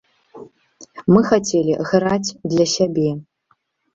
Мы хацелі граць для сябе.